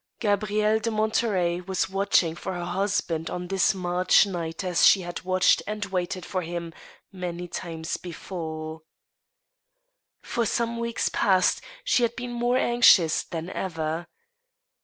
Gabrielle de Monterey was watching for her husband on this March night as she had watched and waited for him many times before* 46 THE STEEL HAMMER. For some weeks past she had been more anxious than ever.